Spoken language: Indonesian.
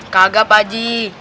kaga pak ji